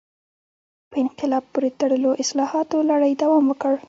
په انقلاب پورې تړلو اصلاحاتو لړۍ دوام وکړ.